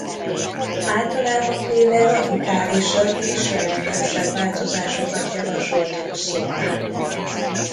Általában véve radikálisabb és jelentősebb változásokat javasolt Rousseaunál.